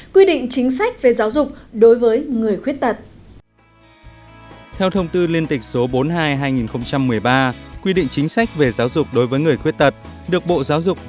quy định chính sách về giáo dục